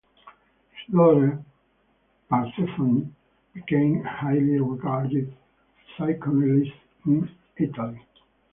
His daughter, Parthenope, became a highly regarded psychoanalyst In Italy.